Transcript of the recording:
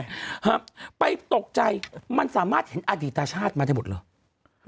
ครับไปตกใจมันสามารถเห็นอดีตชาติมาได้หมดเหรอ